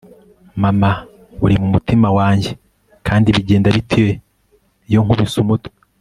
mama, uri mumutima wanjye, kandi bigenda bite iyo nkubise umutwe